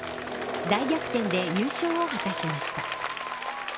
大逆転で優勝を果たしました。